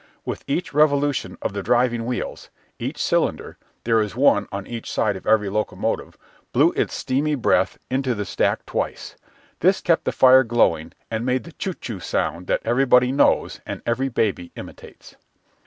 With each revolution of the driving wheels, each cylinder there is one on each side of every locomotive blew its steamy breath into the stack twice. This kept the fire glowing and made the chou chou sound that everybody knows and every baby imitates.